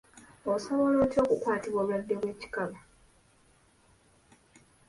Osobola otya okukwatibwa obulwadde bw’ekikaka?